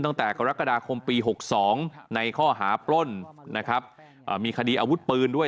ตั้งแต่กรกฎาคมปี๖๒ในข้อหาปล้นนะครับมีคดีอาวุธปืนด้วย